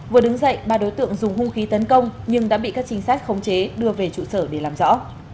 vừa đứng dậy ba đối tượng dùng hung khí tấn công nhưng đã bị các trinh sát khống chế đưa về trụ sở để làm rõ